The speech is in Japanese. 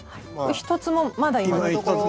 一つもまだ今のところ。